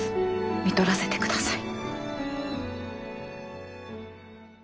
看取らせてください。